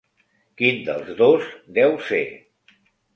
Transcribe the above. Quin dels dos deu ser?